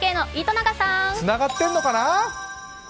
つながっってんのかな。